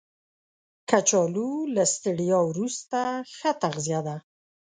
کچالو له ستړیا وروسته ښه تغذیه ده